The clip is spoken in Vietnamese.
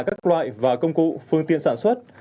các loại và công cụ phương tiện sản xuất